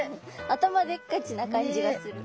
頭でっかちな感じがする。